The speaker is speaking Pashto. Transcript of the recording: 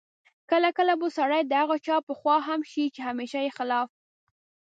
کله کله سړی د هغه چا په خوا هم شي چې همېشه یې خلاف